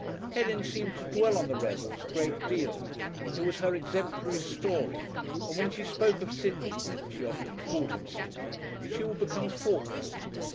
Helen seemed to dwell on the Revels a great deal; it was her exemplary story, and when she spoke of Sidney she often called him Sidney she would become thoughtful.